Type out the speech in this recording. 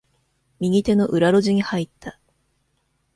右手の裏路地に入った。